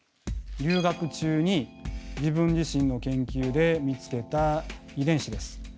留学中に自分自身の研究で見つけた遺伝子です。